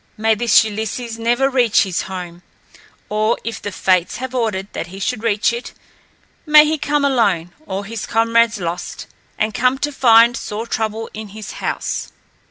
May this Ulysses never reach his home! or, if the Fates have ordered that he should reach it, may he come alone, all his comrades lost, and come to find sore trouble in his house!"